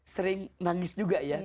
sering nangis juga ya